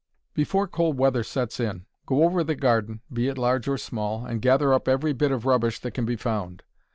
Before cold weather sets in go over the garden, be it large or small, and gather up every bit of rubbish that can be found.